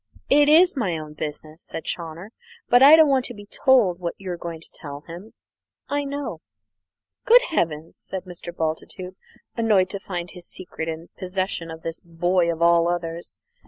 "It is my own business," said Chawner; "but I don't want to be told what you're going to tell him. I know." "Good heavens!" said Mr. Bultitude, annoyed to find his secret in possession of this boy of all others.